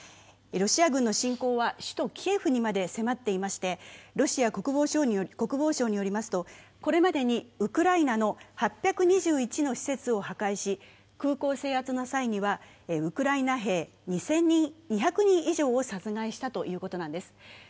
ロシア軍の侵攻は首都キエフにまで迫っておりましてロシア国防省によりますと、これまでにウクライナの８２１の施設を破壊し空港制圧の際にはウクライナ兵２００人以上を殺害したということなんです。